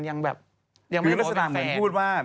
รัศนาเหมือนพูดว่า